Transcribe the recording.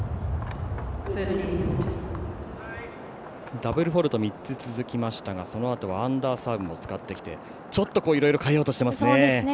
ダブルフォールト３つ続きましたがそのあとアンダーサーブも使ってきてちょっといろいろ変えようとしていますね。